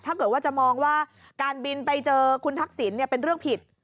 ถ้าเกิดว่าจะมองว่าการบินไปเจอคุณทักษิณเป็นเรื่องผิด